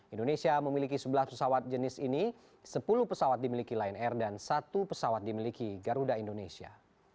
indonesia memiliki sebelas pesawat jenis ini sepuluh pesawat dimiliki lion air dan satu pesawat dimiliki garuda indonesia